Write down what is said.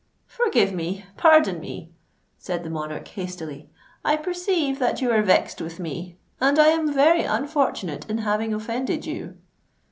"Forgive me—pardon me," said the monarch hastily: "I perceive that you are vexed with me—and I am very unfortunate in having offended you."